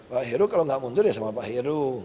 pak heru kalau nggak mundur ya sama pak heru